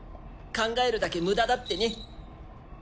考えるだけムダだってね。